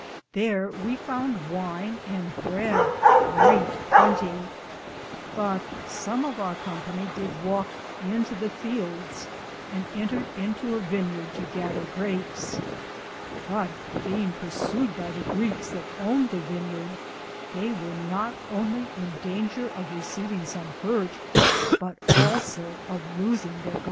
^ Thare we founde wyne and breade greate plentie, but some of our Company did wake into the feeldes, and entered into a vinyarde to gather grapes ; but beinge pursued by the Greekes that owed the vinyard, they weare not only in Dainger of re cavinge som hurte, but also of lousing theire garmentes.